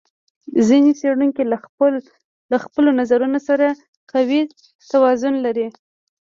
ځینې څېړونکي له خپلو نظرونو سره قوي توازن لري.